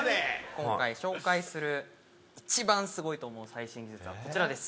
今回紹介する一番すごいと思う最新技術はこちらです。